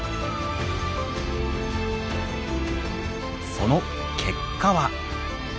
その結果は。